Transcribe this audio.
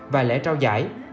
và lễ trao giải